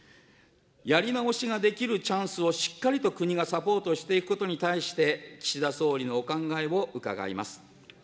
やり直しができるチャンスを、しっかりと国がサポートしていくことに対して、岸田総理のお考えを伺います。